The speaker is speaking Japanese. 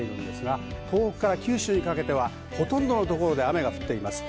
東北から九州にかけては、ほとんどの所で雨が降っています。